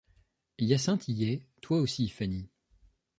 Hyacinthe y est, toi aussi, Fanny…